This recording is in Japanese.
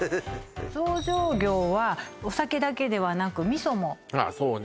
醸造業はお酒だけではなく味噌もあそうね